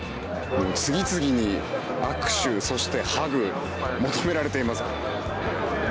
次々に握手、そしてハグ求められています。